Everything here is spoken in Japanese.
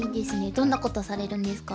どんなことされるんですか？